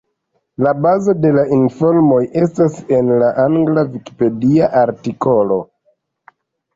La bazo de la informoj estas en la angla vikipedia artikolo.